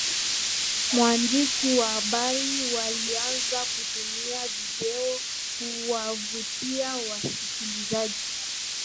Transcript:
waandishi wa habari walianza kutumia video kuwavutia wasikilizaji